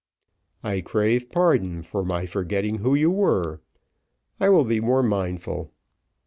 "I crave pardon for my forgetting who you were. I will be more mindful.